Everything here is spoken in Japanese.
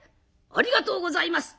「ありがとうございます。